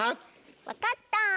分かった！